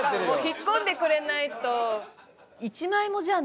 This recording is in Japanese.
引っ込んでくれないと。